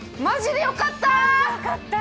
マジでよかった！